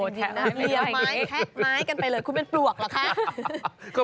ถูกน่ะเข้กไม้กันไปเลยคุณเป็นปลวกเหรอคะ